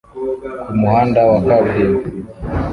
kumuhanda wa kaburimbo